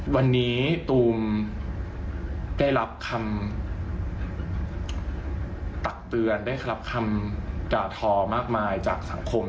วันนี้ตูมได้รับคำตักเตือนได้รับคำด่าทอมากมายจากสังคม